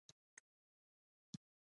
مصنوعي ځیرکتیا د تشخیص دقت پیاوړی کوي.